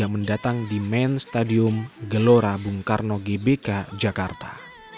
mendatang di main stadium gelora bung karno gbk jakarta